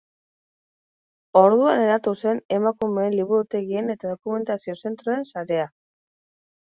Orduan eratu zen Emakumeen liburutegien eta dokumentazio-zentroen sarea.